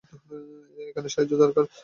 এখানে সাহায্য দরকার!